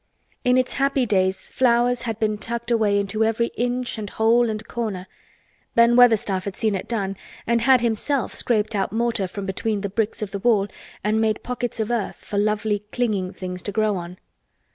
In its happy days flowers had been tucked away into every inch and hole and corner. Ben Weatherstaff had seen it done and had himself scraped out mortar from between the bricks of the wall and made pockets of earth for lovely clinging things to grow on.